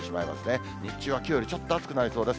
日中は日中は、きょうよりちょっと暑くなります。